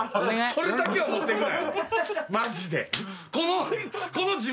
それだけは持っていくな。